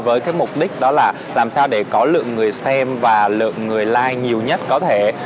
với cái mục đích đó là làm sao để có lượng người xem và lượng người live nhiều nhất có thể